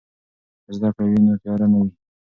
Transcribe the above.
که زده کړه وي نو تیاره نه وي.